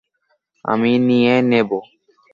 আমি নিয়ে নেব।